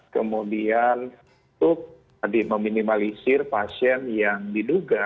kemudian untuk tadi meminimalisir pasien yang diduga